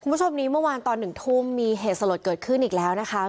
คุณผู้ชมนี้เมื่อวานตอน๑ทุ่มมีเหตุสลดเกิดขึ้นอีกแล้วนะคะ